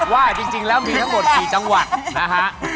ว่าจริงแล้วมีทั้งหมดกี่จังหวัดนะฮะ